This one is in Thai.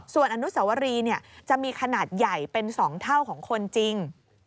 ส่วนอนุสวรีจะมีขนาดใหญ่เป็น๒เท่าของคนจริง